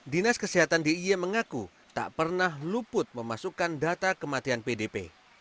dinas kesehatan d i e mengaku tak pernah luput memasukkan data kematian pdp